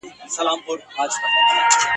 با خوفن د خپلي نظريې بنسټ